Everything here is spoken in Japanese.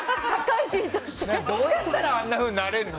どうやったらあんなふうになれるの？